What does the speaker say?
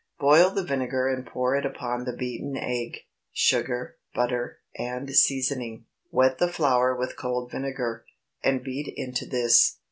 Boil the vinegar and pour it upon the beaten egg, sugar, butter, and seasoning. Wet the flour with cold vinegar, and beat into this.